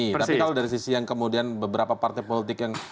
tapi kalau dari sisi yang kemudian beberapa partai politik yang